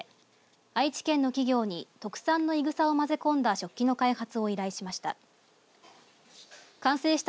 愛知県の企業に特産のいぐさを混ぜ込んだ食器の開発を依頼しました。